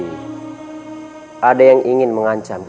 itulah diberikan dipubik bernama